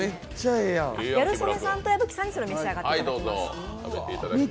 ギャル曽根さんと矢吹さんにそれを召し上がっていただきます。